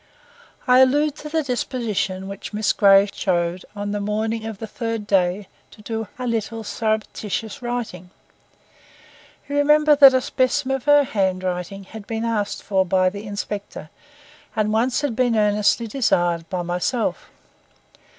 I allude to the disposition which Miss Grey showed on the morning of the third day to do a little surreptitious writing. You remember that a specimen of her handwriting had been asked for by the inspector, and once had been earnestly desired by myself.